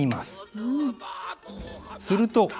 すると。